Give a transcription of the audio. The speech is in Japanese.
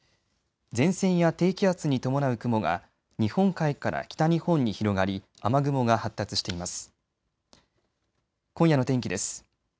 前線や低気圧に伴う雲が日本海から北日本に広がり雨雲が発達しています。